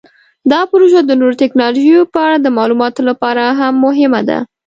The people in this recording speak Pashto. دا پروژه د نوو تکنالوژیو په اړه د معلوماتو لپاره هم مهمه ده.